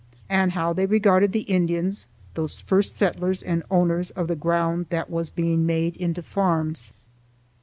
and how they regarded the Indians, those first settlers and owners of the ground that was being made into farms.